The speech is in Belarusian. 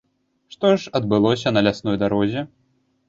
Што ж адбылося на лясной дарозе?